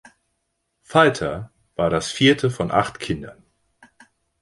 Valter war das vierte von acht Kindern.